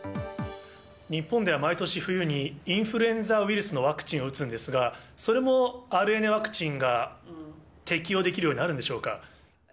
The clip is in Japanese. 日本では毎年冬に、インフルエンザウイルスのワクチンを打つんですが、それもＲＮＡワクチンが適用できるようになるんでしょうか。